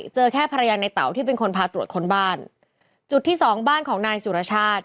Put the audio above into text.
เจอแค่ภรรยาในเต๋าที่เป็นคนพาตรวจคนบ้านจุดที่สองบ้านของนายสุรชาติ